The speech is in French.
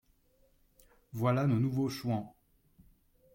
Voilà nos nouveaux Chouans